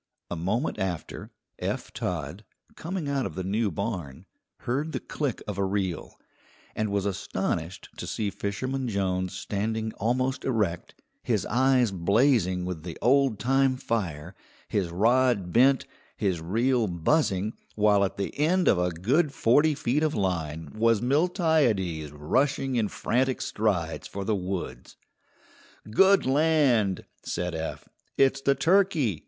A moment after, Eph Todd, coming out of the new barn, heard the click of a reel, and was astonished to see Fisherman Jones standing almost erect, his eyes blazing with the old time fire, his rod bent, his reel buzzing, while at the end of a good forty feet of line was Miltiades rushing in frantic strides for the woods. "Good land!" said Eph; "it's the turkey!